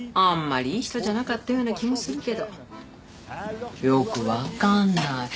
あんまりいい人じゃなかったような気もするけどよくわかんない。